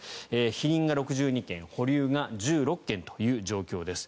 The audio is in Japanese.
否認が６２件保留が１６件という状況です。